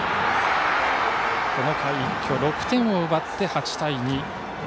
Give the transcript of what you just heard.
この回、一挙６点を奪って８対２。